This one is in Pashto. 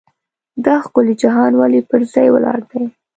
دا ښکلی جهان ولې پر ځای ولاړ دی.